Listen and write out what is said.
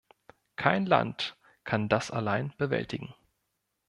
Kein Land kann das allein bewältigen.